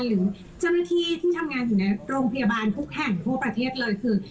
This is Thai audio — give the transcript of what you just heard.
หรือเจ้าหน้าที่ที่ทำงานอยู่ในโรงพยาบาลทุกแห่งทั่วประเทศเลยคือ